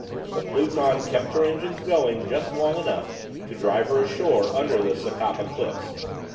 The "Pluton" kept her engines going just long enough to drive her ashore under the Socapa cliffs.